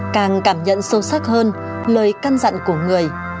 càng cảm nhận sâu sắc hơn lời căn dặn của người